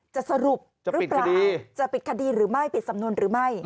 จะสรุปหรือเปล่าจะปิดคดีหรือไม่ปิดสำนวนหรือไม่